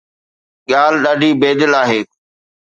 ڳالهه ڏاڍي بي دل آهي